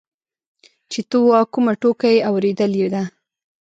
چې ته وا کومه ټوکه يې اورېدلې ده.